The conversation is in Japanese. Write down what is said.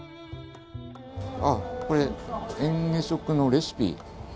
あっこれ嚥下食のレシピ。